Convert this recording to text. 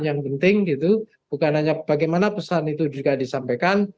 yang penting gitu bukan hanya bagaimana pesan itu juga disampaikan